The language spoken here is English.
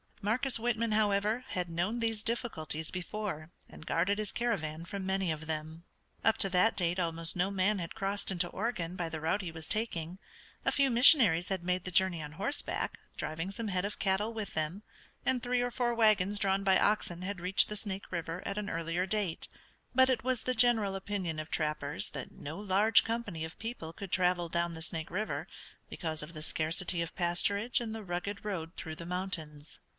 Marcus Whitman, however, had known these difficulties before, and guarded his caravan from many of them. Up to that date almost no man had crossed into Oregon by the route he was taking. A few missionaries had made the journey on horseback, driving some head of cattle with them, and three or four wagons drawn by oxen had reached the Snake River at an earlier date, but it was the general opinion of trappers that no large company of people could travel down the Snake River because of the scarcity of pasturage and the rugged road through the mountains.